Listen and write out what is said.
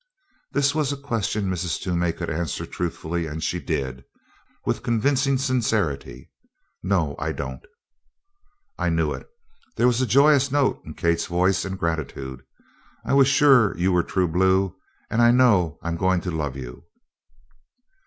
This was a question Mrs. Toomey could answer truthfully and she did, with convincing sincerity: "No, I don't!" "I knew it!" There was a joyous note in Kate's voice, and gratitude. "I was sure you were true blue, and I know I'm going to love you!"